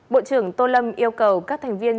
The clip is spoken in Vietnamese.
bộ trưởng tô lâm yêu cầu các thành viên